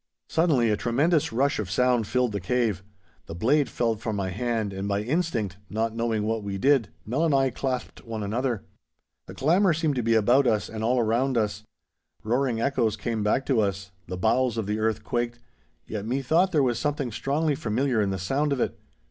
Suddenly a tremendous rush of sound filled the cave. The blade fell from my hand, and by instinct, not knowing what we did, Nell and I clasped one another. The clamour seemed to be about us and all round us. Roaring echoes came back to us. The bowels of the earth quaked. Yet methought there was something strongly familiar in the sound of it.